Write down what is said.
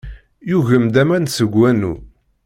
Yugem-d aman seg wanu.